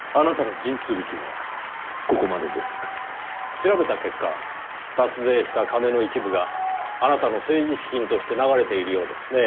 調べた結果脱税した金の一部があなたの政治資金として流れているようですねぇ。